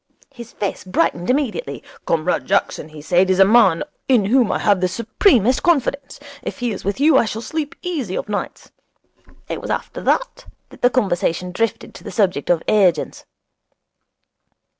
His face brightened immediately. "Comrade Jackson," he said, "is a man in whom I have the supremest confidence. If he is with you I shall sleep easy of nights." It was after that that the conversation drifted to the subject of agents.'